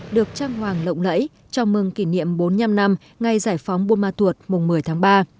được trang hoàng lộng lẫy chào mừng kỷ niệm bốn mươi năm năm ngày giải phóng buôn ma thuột mùng một mươi tháng ba